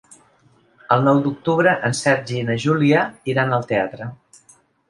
El nou d'octubre en Sergi i na Júlia iran al teatre.